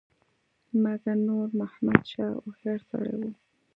مګر نور محمد شاه هوښیار سړی وو.